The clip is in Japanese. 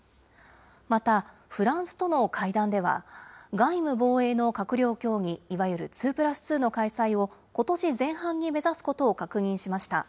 またフランスとの会談では、外務・防衛の閣僚協議、いわゆる２プラス２の開催を、ことし前半に目指すことを確認しました。